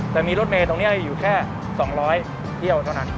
แต่มีรถเมย์ตรงนี้อยู่แค่๒๐๐เที่ยวเท่านั้น